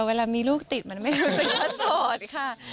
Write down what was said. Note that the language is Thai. เวลามีลูกติดมันไม่รู้สึกว่าโสดค่ะ